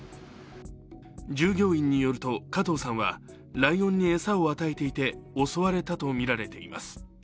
従業員によると、加藤さんはライオンに餌を与えていて襲われたとみられています。